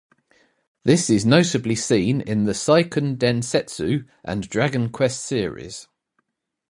This is notably seen in the "Seiken Densetsu" and "Dragon Quest" series.